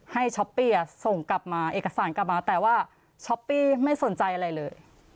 ให้ช้อปปี้ส่งเอักษันกลับมาแต่ว่าช้อปปี้ไม่สนใจอะไรเลย